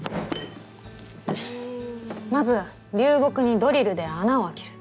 まず流木にドリルで穴を開ける。